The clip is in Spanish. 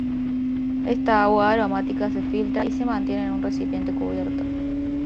Esta agua aromática se filtra y se mantiene en un recipiente cubierto.